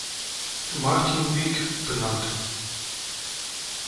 Martin Weg“ benannt.